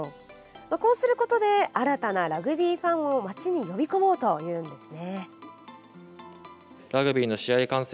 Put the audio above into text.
こうすることで新たなラグビーファンを町に呼び込もうというのですね。